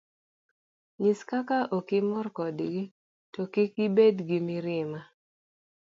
Nyis kaka okimor kodgi, to kik ibed gi mirima.